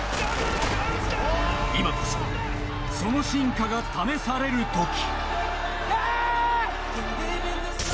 今こそその真価が試されるとき。